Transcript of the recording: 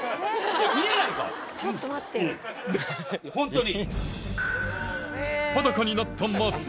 ホントに。